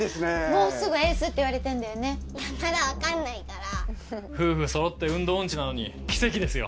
もうすぐエースって言われてんだよねいやまだ分かんないから夫婦そろって運動音痴なのに奇跡ですよ